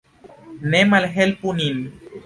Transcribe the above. Ne malhelpu nin.